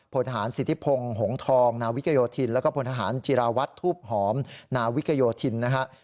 พลทหารสิทธิพงศ์หงทองนาวิกโยธินแล้วก็พลทหารจิราวัตรทูบหอมนาวิกโยธินนะฮะ